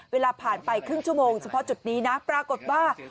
เวลาผ่านไปครึ่งชั่วโมงเฉพาะจุดนี้นะปรากฏว่า